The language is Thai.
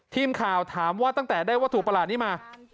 ทีมข่าวถามว่าตั้งแต่ได้วัตถุประหลาดนี้มา